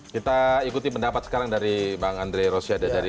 kita ikuti pendapat sekarang dari bang andre rosiade